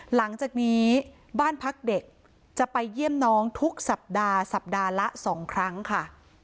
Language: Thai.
หลังจากนี้บ้านพักเด็กจะไปเยี่ยมน้องทุกสัปดาห์สัปดาห์ละ๒ครั้งค่ะ